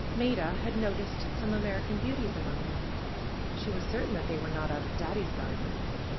Maida had noticed some American Beauties among them. She was certain that they were not out of Daddy's garden.